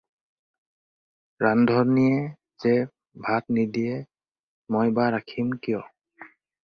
“ৰান্ধনীয়ে যে ভাত নিদিয়ে, মই বা ৰাখিম কিয়?”